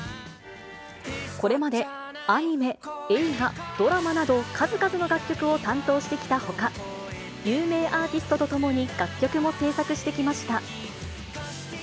これまでアニメ、映画、ドラマなど、数々の楽曲を担当してきたほか、有名アーティストと共に楽曲も制作してきました。